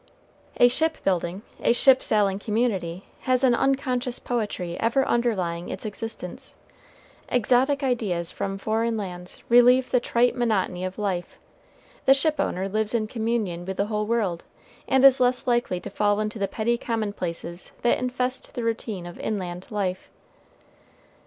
A ship building, a ship sailing community has an unconscious poetry ever underlying its existence. Exotic ideas from foreign lands relieve the trite monotony of life; the ship owner lives in communion with the whole world, and is less likely to fall into the petty commonplaces that infest the routine of inland life.